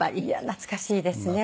懐かしいですね。